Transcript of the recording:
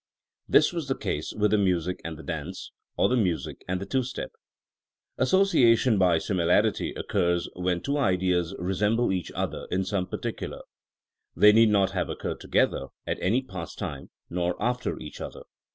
This was the case with the music and the dance, or the music and the two step. Association by similarity occurs when two ideas resemble each other in some par ticular. They need not have occurred together at any past time, nor after each other.